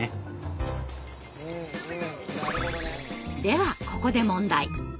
ではここで問題。